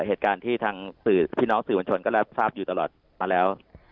เหตุการณ์ที่ทางพี่น้องสื่อมวลชนก็รับทราบอยู่ตลอดมาแล้ว